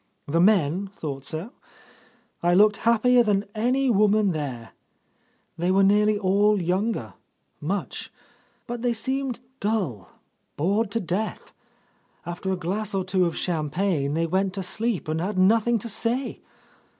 The men thought so. I looked happier than any woman there. They were nearly all younger, much. But they seemed dull, bored to death. After a glass or two of champagne they went to sleep and had nothing to say!